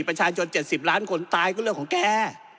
ประชาชน๗๐ล้านคนตายก็เรื่องของแก